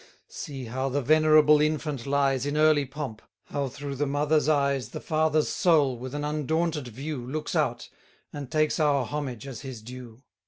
110 See how the venerable infant lies In early pomp; how through the mother's eyes The father's soul, with an undaunted view, Looks out, and takes our homage as his due.